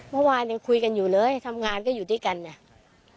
เมื่อวานยังคุยกันอยู่เลยทำงานก็อยู่ด้วยกันเนี่ย